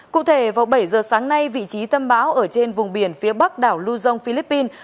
cụ thể vào bảy giờ sáng nay vị trí tâm bão ở trên vùng biển phía bắc đảo luzon philippines